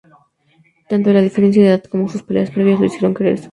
Tanto la diferencia de edad como sus peleas previas los hicieron creer eso.